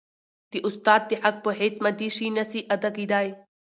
د استاد د حق په هيڅ مادي شي نسي ادا کيدای.